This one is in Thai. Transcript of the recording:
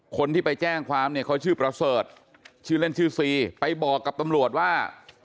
คนที่ไปแจ้งความเนี่ยเขาชื่อประเสริฐชื่อเล่นชื่อซีไปบอกกับตำรวจว่า